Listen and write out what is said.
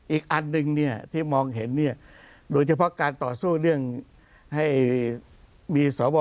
อีกอันหนึ่งที่มองเห็นโดยเฉพาะการต่อสู้เรื่องให้มีสว